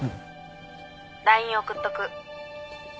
ＬＩＮＥ送っとく。